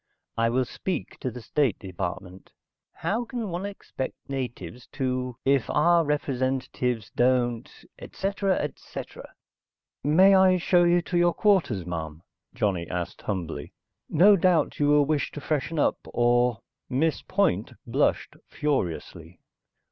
"I will speak to the State Department. How can one expect natives to ... if our own representatives don't ... etc., etc." "May I show you to your quarters, ma'am?" Johnny asked humbly. "No doubt you will wish to freshen up, or...." Miss Point blushed furiously.